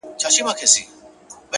ستـا له خندا سره خبري كـوم’